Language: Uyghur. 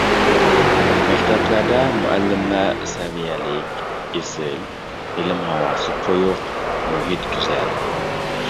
مەكتەپلەردە، مۇئەللىملەر سەۋىيەلىك، ئېسىل، ئىلىم ھاۋاسى قويۇق، مۇھىت گۈزەل.